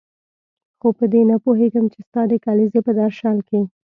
خو په دې نه پوهېږم چې ستا د کلیزې په درشل کې.